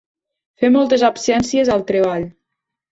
Fer moltes absències al treball.